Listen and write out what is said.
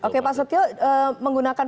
oke pak setio menggunakan